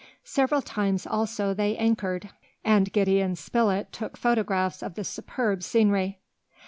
Several times also they anchored, and Gideon Spilett took photographs of the superb scenery.